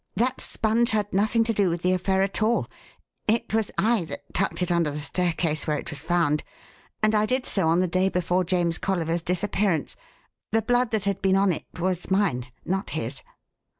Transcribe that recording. That sponge had nothing to do with the affair at all. It was I that tucked it under the staircase where it was found, and I did so on the day before James Colliver's disappearance. The blood that had been on it was mine, not his."